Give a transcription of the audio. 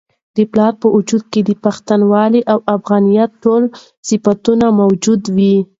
د پلار په وجود کي د پښتونولۍ او افغانیت ټول صفتونه موجود وي.